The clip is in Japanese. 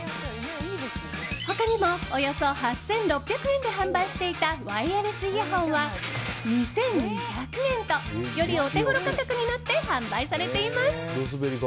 他にも、およそ８６００円で販売していたワイヤレスイヤホンは２２００円とより、お手軽価格になって販売されています。